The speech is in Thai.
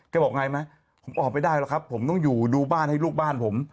บอกไงไหมผมออกไม่ได้หรอกครับผมต้องอยู่ดูบ้านให้ลูกบ้านผม